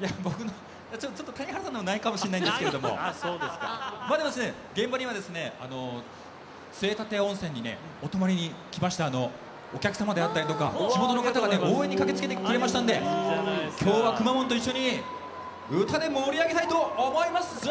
谷原さんのはないかもしれませんけれども現場には杖立温泉にお泊まりに来ましたお客様であったり地元の方が応援に駆けつけてくれましたので今日は、くまモンと一緒に歌で盛り上げたいと思います。